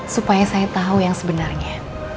supaya saya tahu yang sebenarnya